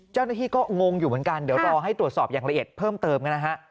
เจ้าหน้าที่ก็งงอยู่เหมือนกันเดี๋ยวรอให้ตรวจสอบอย่างละเอียดเพิ่มเติมนะฮะ